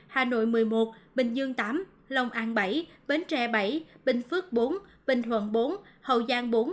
hà nội một mươi một bình dương viii long an bảy bến tre bảy bình phước bốn bình thuận bốn hậu giang bốn